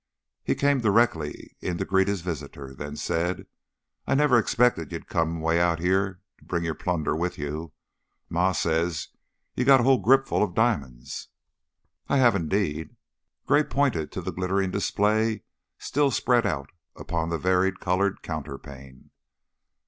He came directly in to greet his visitor, then said: "I never expected you'd come 'way out here an' bring your plunder with you. Ma says you got a hull gripful o' di'mon's." "I have, indeed." Gray pointed to the glittering display still spread out upon the varicolored counterpane.